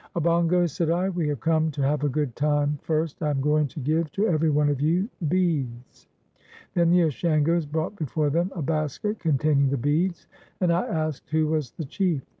"Obongos," said I, "we have come to have a good time. First I am going to give to every one of you beads." Then the Ashangos brought before them a basket containing the beads, and I asked who was the chief.